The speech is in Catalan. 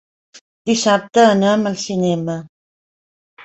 Dissabte anem al cinema.